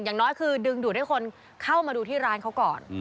อย่างน้อยคือดึงดูดให้คนเข้ามาดูที่ร้านเขาก่อน